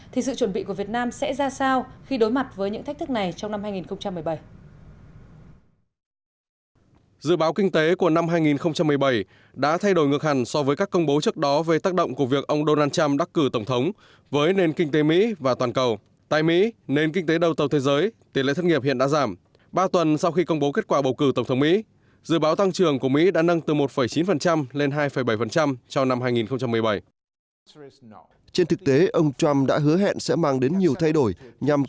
thì sự chuẩn bị của việt nam sẽ ra sao khi đối mặt với những thách thức này trong năm hai nghìn một mươi bảy